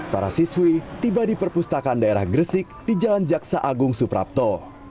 para siswi tiba di perpustakaan daerah gresik di jalan jaksa agung suprapto